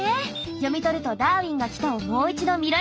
読み取ると「ダーウィンが来た！」をもう一度見られるらしいわよ。